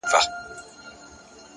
هره هڅه د راتلونکي یوه خښته ده.